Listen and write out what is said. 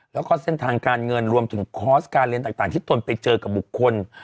แล้วก็เส้นทางการเงินรวมถึงคอร์สการเรียนต่างที่ตนไปเจอกับบุคคล